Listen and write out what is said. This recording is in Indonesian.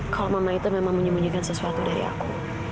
kalau mama itu memang menyembunyikan sesuatu dari aku